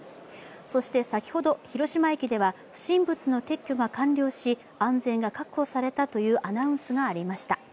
そして、先ほど、広島駅では不審物の撤去が完了し安全が確保されたというアナウンスがありました。